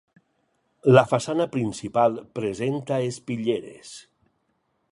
La façana principal presenta espitlleres.